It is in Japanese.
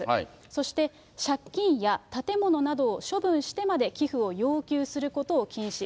そして、借金や建物などを処分してまで寄付を要求することを禁止。